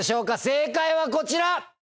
正解はこちら！